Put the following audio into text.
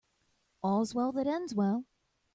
All's well that ends well.